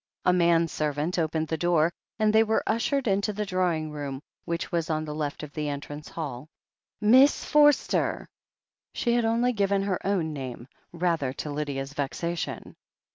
A manservant opened the door, and they were ushered into the drawing room, which was on the left of the entrance hall. "Miss Forster!" She had only given her own name, rather to Lydia's vexation.